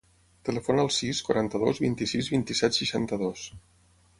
Telefona al sis, quaranta-dos, vint-i-sis, vint-i-set, seixanta-dos.